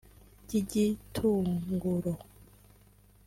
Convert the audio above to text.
By’igitunguro